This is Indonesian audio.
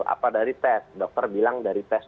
apa dari tes dokter bilang dari tes